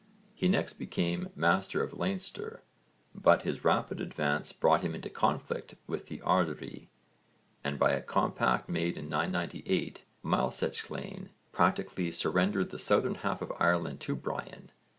He next became master of Leinster, but his rapid advance brought him into conflict with the ardrí and by a compact made in 998, Maelsechlainn practically surrendered the southern half of Ireland to Brian.